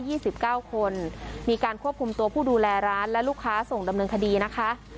สิบเก้าคนมีการควบคุมตัวผู้ดูแลร้านและลูกค้าส่งดำเนินคดีนะคะ